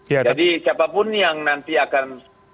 siapapun yang nanti akan